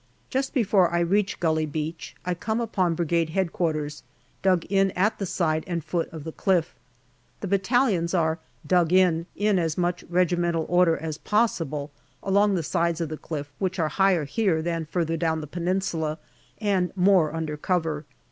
Just before I reach Gully Beach I come upon Brigade H.Q. dug in at the side and foot of the cliff. The battalions are " dug in " in as much regimental order as possible along the sides of the cliff, which are higher here than further down the Peninsula, and more under cover.